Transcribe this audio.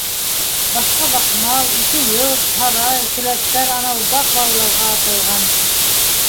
Башҡа ваҡ мал, ике йорт, һарай, келәттәр анау ваҡ балаларға аталған.